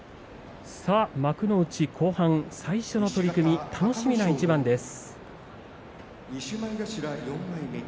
幕内後半、最初の取組楽しみな一番です。